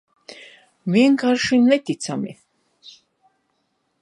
Vienkārši neticami.